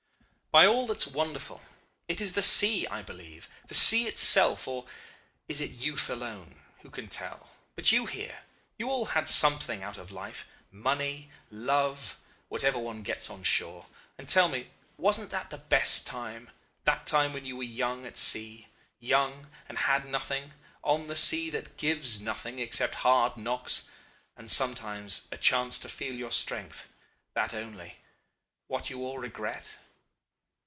"By all that's wonderful, it is the sea, I believe, the sea itself or is it youth alone? Who can tell? But you here you all had something out of life: money, love whatever one gets on shore and, tell me, wasn't that the best time, that time when we were young at sea; young and had nothing, on the sea that gives nothing, except hard knocks and sometimes a chance to feel your strength that only what you all regret?"